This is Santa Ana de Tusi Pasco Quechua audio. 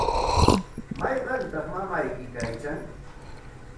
¿mayqantaq mamayki kaykan?